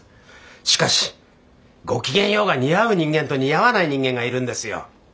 しかし「ごきげんよう」が似合う人間と似合わない人間がいるんですよ。